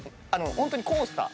ホントにコースター。